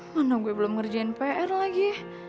mana gue belum ngerjain pr lagi